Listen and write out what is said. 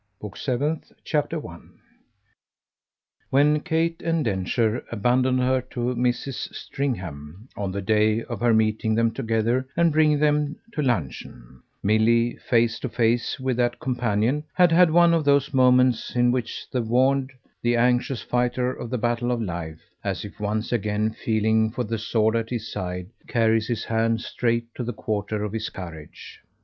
Book Seventh, Chapter 1 When Kate and Densher abandoned her to Mrs. Stringham on the day of her meeting them together and bringing them to luncheon, Milly, face to face with that companion, had had one of those moments in which the warned, the anxious fighter of the battle of life, as if once again feeling for the sword at his side, carries his hand straight to the quarter of his courage.